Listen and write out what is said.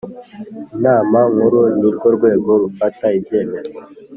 Inama nkuru ni rwo rwego rufata ibyemezo